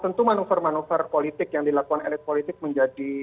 tentu manuver manuver politik yang dilakukan elit politik menjadi